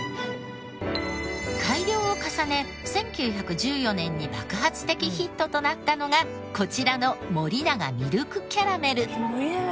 改良を重ね１９１４年に爆発的ヒットとなったのがこちらの森永ミルクキャラメル。